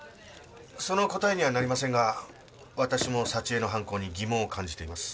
その答えにはなりませんが私も佐知恵の犯行に疑問を感じています。